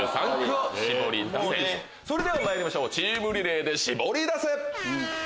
それではまいりましょうチームリレーでシボリダセ！